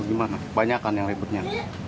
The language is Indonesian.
gimana banyakan yang ributnya